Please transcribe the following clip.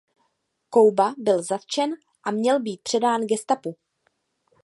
Kouba byl zatčen a měl být předán gestapu.